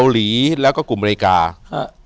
อยู่ที่แม่ศรีวิรัยิลครับ